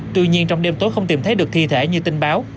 tuy nhiên trong đêm tối không tìm thấy được thi thể như tin báo